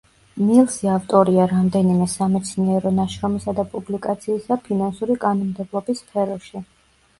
მილსი ავტორია რამდენიმე სამეცნიერო ნაშრომისა და პუბლიკაციისა ფინანსური კანონმდებლობის სფეროში.